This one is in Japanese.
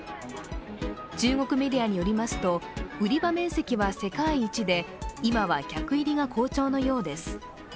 中国メディアによりますと売り場面積は世界一で今は客入りが好調のようです。